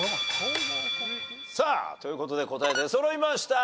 さあという事で答え出そろいました。